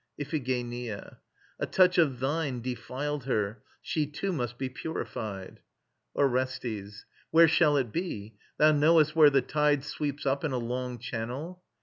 IPHIGENIA. A touch of thine Defiled her. She too must be purified. ORESTES. Where shall it be? Thou knowest where the tide Sweeps up in a long channel?